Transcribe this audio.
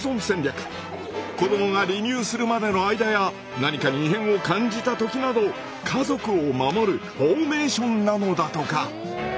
子どもが離乳するまでの間や何かに異変を感じた時など家族を守るフォーメーションなのだとか。